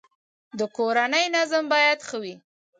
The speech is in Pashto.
د کورنی نظم باید ښه وی